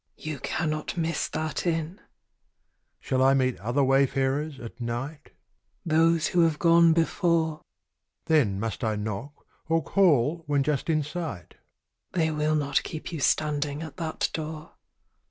You cannot miss that inn. Shall I meet other wayfarers at night? Those who have gone before. Then must I knock, or call when just in sight? They will not keep you standing at that door.